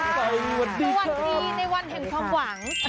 ตัววันนี้ในวันเห็นความหวัง